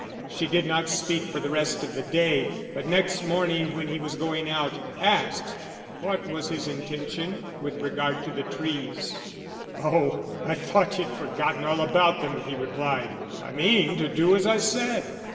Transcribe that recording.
She did not speak for the rest of the day, but next morning when he was going out, asked what was his intention with regard to the trees. "Oh, I thought you'd forgotten all about them," he replied. "I mean to do as I said."